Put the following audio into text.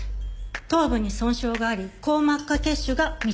頭部に損傷があり硬膜下血腫が認められました。